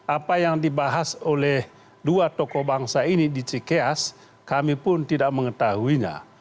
apa yang dibahas oleh dua tokoh bangsa ini di cikeas kami pun tidak mengetahuinya